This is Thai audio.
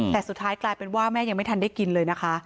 แต่สุดท้ายกลายเป็นว่าแม่ยังไม่ทันได้กินเลยนะคะ